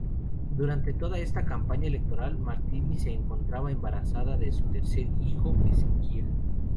Durante toda esta campaña electoral, Martini se encontraba embarazada de su tercer hijo, Ezequiel.